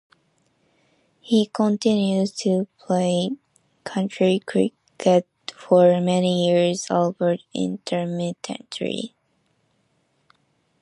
He continued to play county cricket for many years albeit intermittently.